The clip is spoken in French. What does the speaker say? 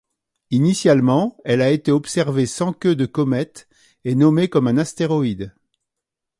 Initialement, elle a été observée sans queue de comète et nommée comme un astéroïde.